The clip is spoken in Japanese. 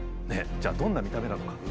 じゃあどんな見た目なのか。